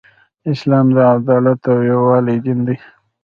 اسلام د عدالت او یووالی دین دی .